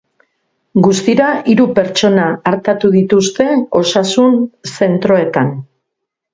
Guztira, hiru pertsona artatu dituzte osasun zentroetan.